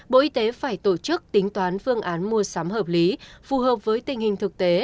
bộ y tế phải tổ chức tính toán phương án mua sắm hợp lý phù hợp với tình hình thực tế